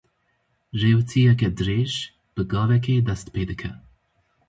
Rêwîtiyeke dirêj bi gavekê dest pê dike.